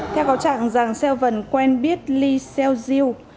theo có trạng giàng xeo vần quen biết ly xeo diêu